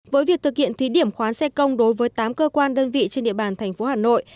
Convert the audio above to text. với việc thực hiện thí điểm khoán xe công đối với tám cơ quan đơn vị trên địa bàn thành phố hà nội